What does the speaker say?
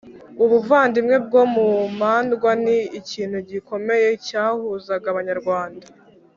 Ubuvandimwe bwo mu mandwa ni ikintu gikomeye cyahuzaga Abanyarwanda.